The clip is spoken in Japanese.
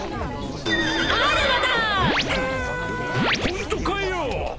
ホントかよ！